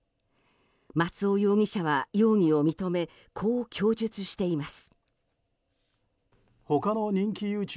松尾容疑者は容疑を認めこう供述しています。